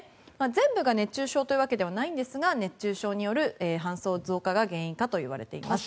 全部が熱中症というわけではないんですが熱中症による搬送増加が原因かといわれています。